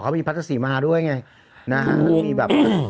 ไปมิดแกน่มมดความสงสัย